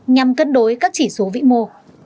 nhằm cân đối các chỉ số vĩ mô